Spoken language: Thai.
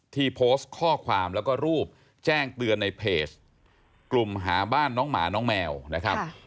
ที่โพสต์ข้อความแล้วก็รูปแจ้งเตือนในเพจกลุ่มหาบ้านน้องหมาน้องแมวนะครับ